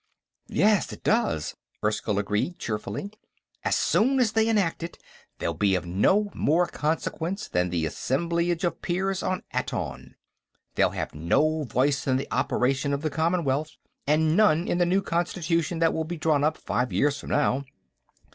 "Yes, it does," Erskyll agreed, cheerfully. "As soon as they enact it, they'll be of no more consequence than the Assemblage of Peers on Aton; they'll have no voice in the operation of the Commonwealth, and none in the new constitution that will be drawn up five years from now.